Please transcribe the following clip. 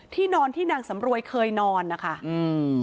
นอนที่นางสำรวยเคยนอนนะคะอืม